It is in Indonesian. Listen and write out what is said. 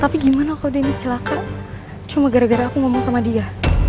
tapi bagaimana kalau dennis celaka cuma gara gara aku berbicara dengan dia